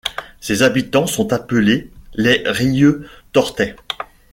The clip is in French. Ses habitants sont appelés les Rieutortais.